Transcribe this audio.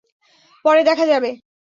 পরে দেখা যাবে।